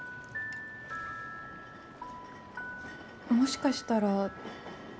もしかしたら。